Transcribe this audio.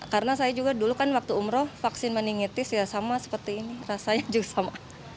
karena saya juga dulu kan waktu umroh vaksin meningitis ya sama seperti ini rasanya juga sama